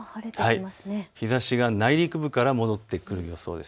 日ざしが内陸部から戻ってくる予想です。